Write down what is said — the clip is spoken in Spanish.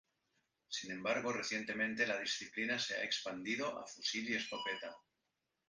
Sin embargo, recientemente la disciplina se ha expandido a Fusil y Escopeta.